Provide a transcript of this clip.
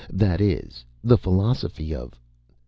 That is, the Philosophy of...."